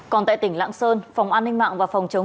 còn tại tỉnh lãng sơn phòng an ninh mạng và phòng truyền thông